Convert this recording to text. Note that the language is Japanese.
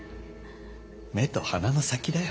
目と鼻の先だよ。